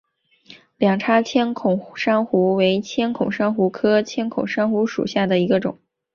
两叉千孔珊瑚为千孔珊瑚科千孔珊瑚属下的一个种。